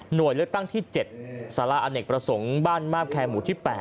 หน่วยเลือกตั้งที่๗สารอเนกประสงค์บ้านมาพแคมูทที่๘